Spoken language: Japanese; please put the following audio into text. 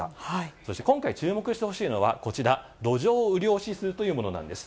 そして今回、注目してほしいのはこちら、土壌雨量指数というものなんです。